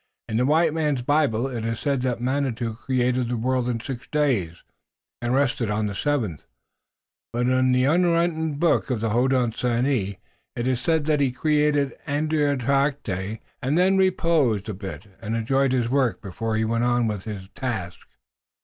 "In the white man's Bible it is said that Manitou created the world in six days and rested on the seventh, but in the unwritten book of the Hodenosaunee it is said that he created Andiatarocte and Oneadatote, and then reposed a bit, and enjoyed his work before he went on with his task."